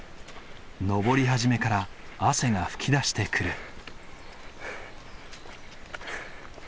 登り始めから汗が噴き出してくる。